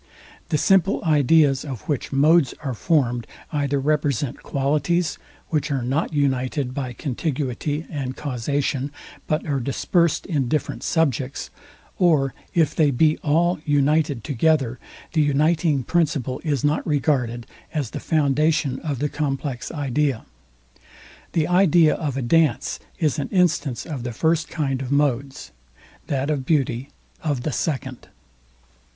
The simple ideas of which modes are formed, either represent qualities, which are not united by contiguity and causation, but are dispersed in different subjects; or if they be all united together, the uniting principle is not regarded as the foundation of the complex idea. The idea of a dance is an instance of the first kind of modes; that of beauty of the second.